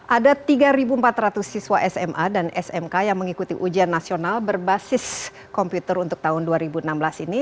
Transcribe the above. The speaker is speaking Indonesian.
ada tiga empat ratus siswa sma dan smk yang mengikuti ujian nasional berbasis komputer untuk tahun dua ribu enam belas ini